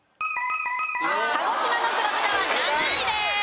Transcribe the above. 鹿児島の黒豚は７位です。